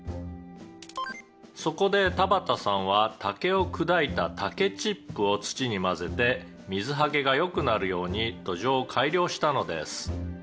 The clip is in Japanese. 「そこで田端さんは竹を砕いた竹チップを土に混ぜて水はけが良くなるように土壌を改良したのです」